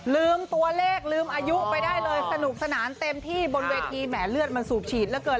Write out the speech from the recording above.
ลืมตัวเลขลืมอายุไปได้เลยสนุกสนานเต็มที่บนเวทีแหมเลือดมันสูบฉีดเหลือเกิน